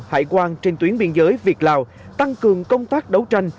hải quan trên tuyến biên giới việt lào tăng cường công tác đấu tranh